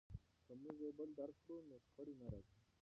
که موږ یو بل درک کړو نو شخړې نه راځي.